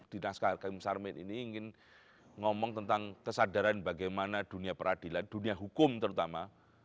di naskah hakim sarmin ini ingin ngomong tentang kesadaran bagaimana dunia peradilan dunia hukum terutama